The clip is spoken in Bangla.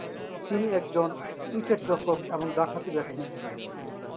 তিনি একজন উইকেটরক্ষক এবং ডানহাতি ব্যাটসম্যান।